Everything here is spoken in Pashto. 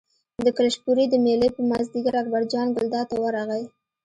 د کلشپورې د مېلې په مازدیګر اکبرجان ګلداد ته ورغی.